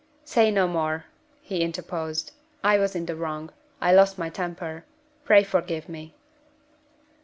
"Say no more," he interposed. "I was in the wrong I lost my temper. Pray forgive me."